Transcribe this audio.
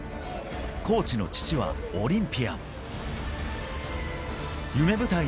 コーチの父はオリンピアン。